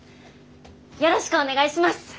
よろしくお願いします。